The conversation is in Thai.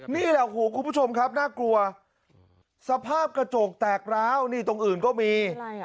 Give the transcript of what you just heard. นี่แหละคุณผู้ชมครับน่ากลัวสภาพกระจกแตกร้าวนี่ตรงอื่นก็มี